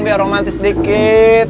biar romantis sedikit